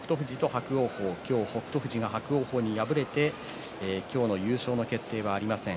今日、北勝富士が伯桜鵬に敗れて今日の優勝の決定はありません。